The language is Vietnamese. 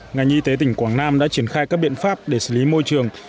ngành y tế tỉnh quảng nam đã triển khai các biện pháp để xử lý môi trường